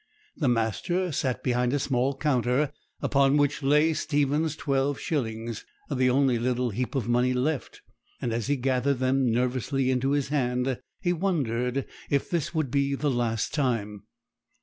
The master sat behind a small counter, upon which lay Stephen's twelve shillings, the only little heap of money left; and as he gathered them nervously into his hand, he wondered if this would be the last time.